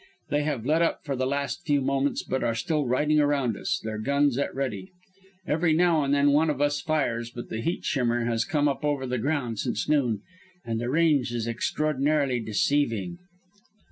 They have let up for the last few moments, but are still riding around us, their guns at 'ready.' Every now and then one of us fires, but the heat shimmer has come up over the ground since noon and the range is extraordinarily deceiving.